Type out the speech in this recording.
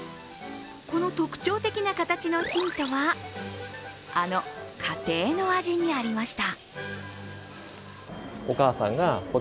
この特徴的な形のヒントはあの家庭の味にありました。